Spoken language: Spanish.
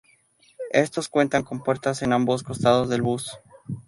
Estos cuentan con puertas en ambos costados del bus.